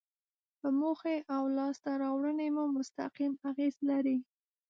په موخې او لاسته راوړنې مو مستقیم اغیز لري.